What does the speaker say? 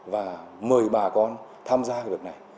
và mời bà con tham gia cái lực này